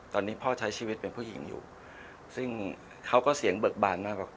ตอนนี้พ่อใช้ชีวิตเป็นผู้หญิงอยู่ซึ่งเขาก็เสียงเบิกบานมากว่า